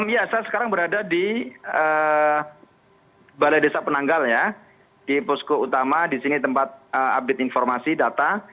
ya saya sekarang berada di balai desa penanggal ya di posko utama di sini tempat update informasi data